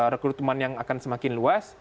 rekrutmen yang akan semakin luas